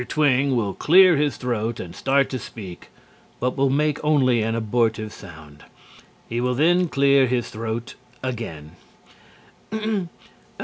Twing will clear his throat and start to speak, but will make only an abortive sound. He will then clear his throat again.